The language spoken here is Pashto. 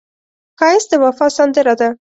ښایست د وفا سندره ده